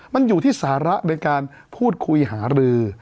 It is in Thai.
มันอยู่ที่สาระในการพูดคุยหารือ